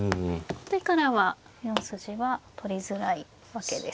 後手からは４筋は取りづらいわけですね。